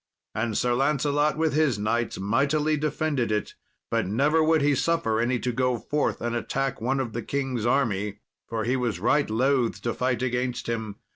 And Sir Lancelot, with his knights, mightily defended it; but never would he suffer any to go forth and attack one of the king's army, for he was right loth to fight against him.